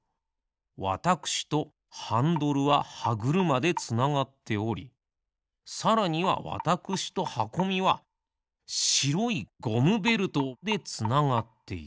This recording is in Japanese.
わたくしとハンドルははぐるまでつながっておりさらにはわたくしとはこみはしろいゴムベルトでつながっている。